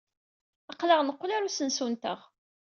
Aql-aɣ neqqel ɣer usensu-nteɣ.